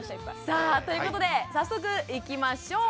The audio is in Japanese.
さあということで早速いきましょう。